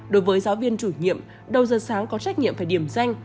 đối với giáo viên chủ nhiệm đầu giờ sáng có trách nhiệm phải điểm danh